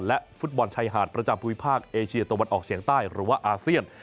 และฟุตบอลชายหาดประจำภูมิภาคเอเชียตะวันออกเฉียงใต้หรือว่าอาเซียน